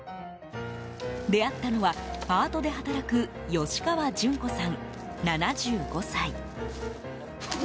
出会ったのはパートで働く吉川順子さん、７５歳。